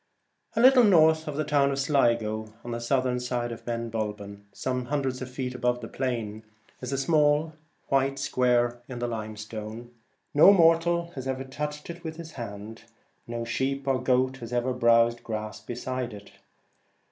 A little north of the town of Sligo, on the southern side of Ben Bulben, some hundreds of feet above the plain, is a small white square in the limestone. No mortal has ever touched it with his hand ; no sheep or goat has ever browsed grass beside it.